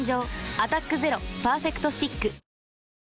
「アタックＺＥＲＯパーフェクトスティック」